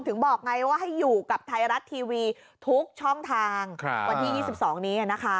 ถึงบอกไงว่าให้อยู่กับไทยรัฐทีวีทุกช่องทางค่ะวันที่ยี่สิบสองนี้อ่ะนะคะ